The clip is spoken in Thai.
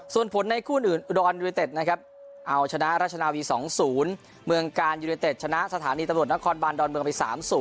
ส่วนผลในคู่อื่นอุดรยูเนเต็ดนะครับเอาชนะราชนาวี๒๐เมืองกาลยูเนเต็ดชนะสถานีตำรวจนครบานดอนเมืองไป๓๐